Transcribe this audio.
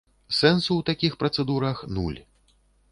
Сэнсу ў такіх працэдурах нуль.